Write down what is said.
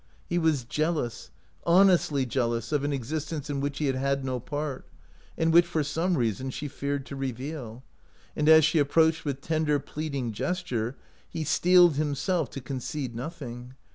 He was jealous, honestly jealous, of an existence in which he had had no part, and which for some reason she feared to reveal ; and as she approached with tender, plead ing gesture, he steeled himself to concede nothing.